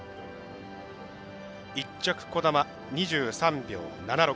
１着、兒玉、２３秒７６。